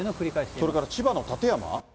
それから千葉の館山。